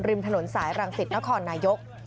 ริมถนนสายรังสิตนครนายก